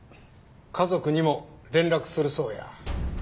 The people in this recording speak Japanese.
家族にも連絡するそうや。